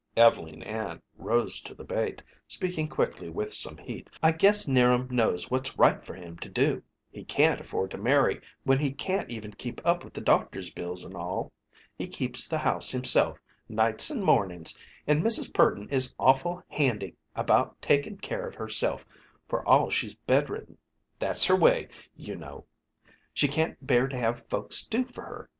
Ev'leen Ann rose to the bait, speaking quickly with some heat: "I guess 'Niram knows what's right for him to do! He can't afford to marry when he can't even keep up with the doctor's bills and all. He keeps the house himself, nights and mornings, and Mrs. Purdon is awful handy about taking care of herself, for all she's bedridden. That's her way, you know. She can't bear to have folks do for her.